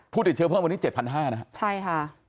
ผู้ติดเชื้อเพิ่มวันนี้๗๕๐๐นะครับ